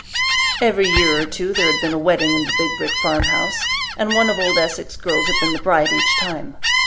Every year or two there had been a wedding in the big brick farmhouse, and one of old Esek's girls had been the bride each time.